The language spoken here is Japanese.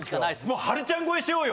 もう波瑠ちゃん越えしようよ！